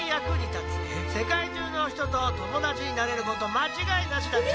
せかいじゅうのひととともだちになれることまちがいなしだっち！